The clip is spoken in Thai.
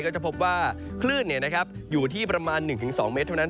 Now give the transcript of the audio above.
ก็จะพบว่าคลื่นอยู่ที่ประมาณ๑๒เมตรเท่านั้น